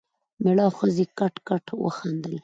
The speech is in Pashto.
مېړه او ښځې کټ کټ وخندل.